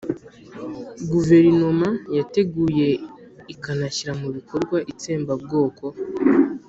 Guverinoma yateguye ikanashyira mu bikorwa itsembabwoko